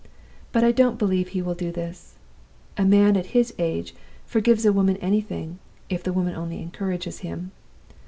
But I don't believe he will do this. A man at his age forgives a woman anything, if the woman only encourages him.